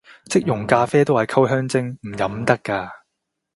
即溶咖啡都係溝香精，唔飲得咖